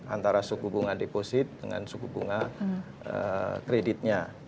antara suku bunga deposit dengan suku bunga kreditnya